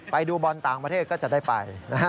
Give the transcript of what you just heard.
ไปดูบอลต่างประเทศก็จะได้ไป